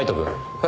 はい。